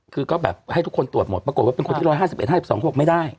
คือก็แบบให้ทุกคนตรวจหมดปรากฏว่าเป็นคนที่๑๕๑๕๒เขาบอกไม่ได้